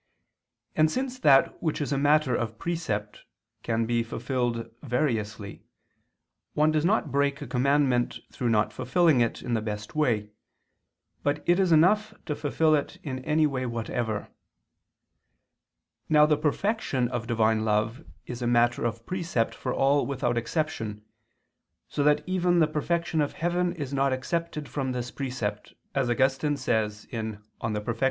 And since that which is a matter of precept can be fulfilled variously, one does not break a commandment through not fulfilling it in the best way, but it is enough to fulfil it in any way whatever. Now the perfection of Divine love is a matter of precept for all without exception, so that even the perfection of heaven is not excepted from this precept, as Augustine says (De Perf. Justit.